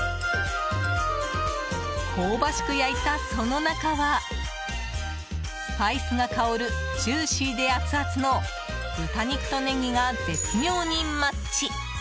香ばしく焼いたその中はスパイスが香るジューシーでアツアツの豚肉とネギが絶妙にマッチ。